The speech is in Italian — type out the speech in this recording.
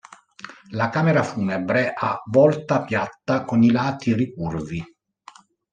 La camera funebre ha volta piatta con i lati ricurvi.